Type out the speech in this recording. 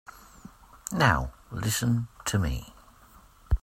Now listen to me.